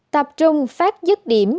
tập trung phát dứt điểm